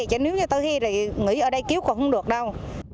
chứ nếu như tới khi thì nghĩ ở đây cứu còn không được đâu